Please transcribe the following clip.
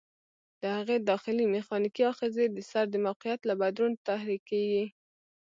د هغې داخلي میخانیکي آخذې د سر د موقعیت له بدلون تحریکېږي.